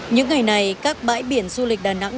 những ngày này các bãi biển du lịch đà nẵng